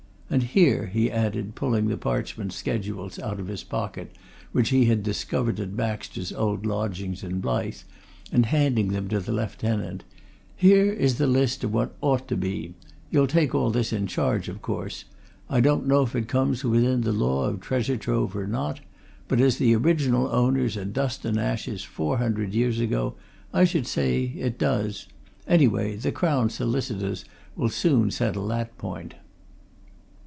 and here," he added, pulling the parchment schedules out of his pocket which he had discovered at Baxter's old lodgings in Blyth, and handing them to the lieutenant, "here is the list of what there ought to be; you'll take all this in charge, of course I don't know if it comes within the law of treasure trove or not, but as the original owners are dust and ashes four hundred years ago, I should say it does anyway, the Crown solicitors'll soon settle that point."